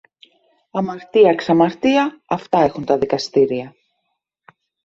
Αμαρτία, ξαμαρτία, αυτά έχουν τα δικαστήρια!